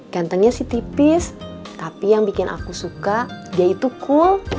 kentengnya sih tipis tapi yang bikin aku suka dia itu cool